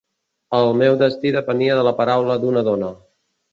El meu destí depenia de la paraula d'una dona.